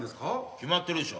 決まってるでしょ。